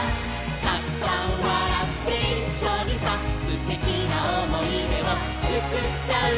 「たくさん笑っていっしょにさ」「すてきなおもいでをつくっちゃうんだ」